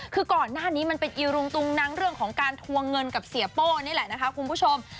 คือก่อนหน้านี้มันเป็นอีรุงตุงนังเรื่องของการทวงเงินกับเสียโป้นี่แหละนะคะคุณผู้ชม